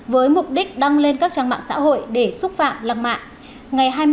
với mục đích đăng lên các trang mạng xã hội để xúc phạm lăng mạng